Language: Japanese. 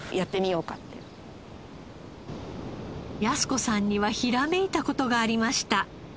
靖子さんにはひらめいた事がありました。